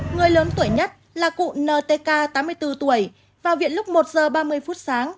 người lớn tuổi nhất là cụ ntk tám mươi bốn tuổi vào viện lúc một giờ ba mươi phút sáng